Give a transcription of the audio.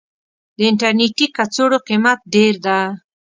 د انټرنيټي کڅوړو قيمت ډير ده.